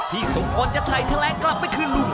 ที่สมคนจะไถลแชลงกลับไปคืนลุง